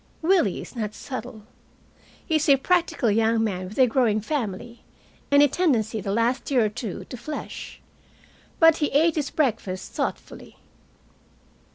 Willie is not subtle. He is a practical young man with a growing family, and a tendency the last year or two to flesh. But he ate his breakfast thoughtfully.